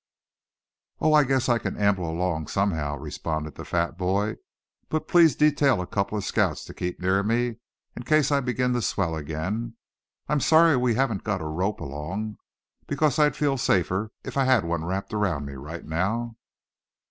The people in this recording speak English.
"Oh! I guess I can amble along somehow," responded the fat boy; "but please detail a couple of scouts to keep near me, in case I begin to swell again. I'm sorry we haven't got a rope along; because I'd feel safer if I had one wrapped around me right now."